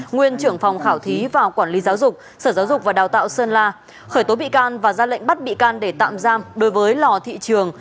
nguyên trưởng phòng khảo thí và quản lý giáo dục sở giáo dục và đào tạo sơn la khởi tố bị can và ra lệnh bắt bị can để tạm giam đối với lò thị trường